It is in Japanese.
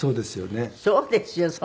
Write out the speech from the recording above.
そうですよね。